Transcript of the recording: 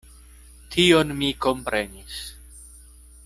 Tion mi komprenis.